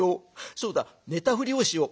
そうだ寝たふりをしよう。